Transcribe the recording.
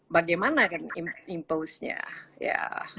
bagaimana kan impulsnya ya